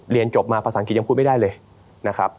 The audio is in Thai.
เรียนจบมาภาษาอังกฤษยังพูดไม่ได้เลยนะครับ